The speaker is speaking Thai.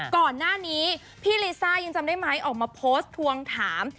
ก่อนหน้านี้พี่ลิซ่ายังจำได้ไหมออกมาโพสต์ทวงถาม